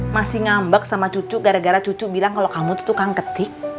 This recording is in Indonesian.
masih ngambek sama cucu gara gara cucu bilang kalau kamu tuh tukang ketik